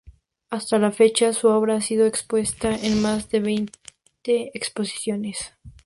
Hasta la fecha, su obra ha sido expuesta en más de veinte exposiciones.